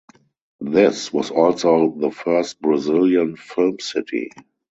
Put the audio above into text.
This was also the first Brazilian film city.